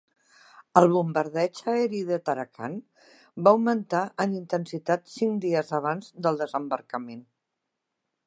El bombardeig aeri de Tarakan va augmentar en intensitat cinc dies abans del desembarcament.